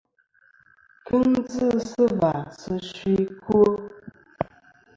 Kɨŋ dzɨ sɨ và sɨ fsi ɨkwo.